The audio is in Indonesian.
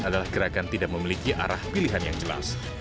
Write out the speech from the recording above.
adalah gerakan tidak memiliki arah pilihan yang jelas